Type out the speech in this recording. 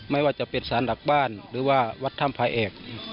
ไม่ว่าจะเป็นสารหลักบ้านหรือว่าวัดถ้ำพาแอก